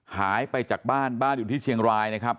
หายไปจากบ้านบ้านอยู่ที่เชียงรายนะครับ